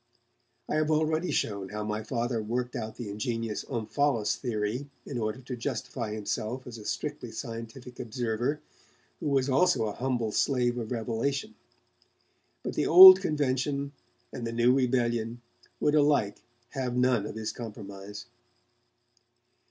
I have already shown how my Father worked out the ingenious 'Omphalos' theory in order to justify himself as a strictly scientific observer who was also a humble slave of revelation. But the old convention and the new rebellion would alike have none of his compromise.